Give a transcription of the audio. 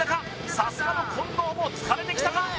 さすがの近藤も疲れてきたか？